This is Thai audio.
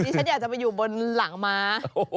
ฉันอยากจะไปอยู่บนหลังม้า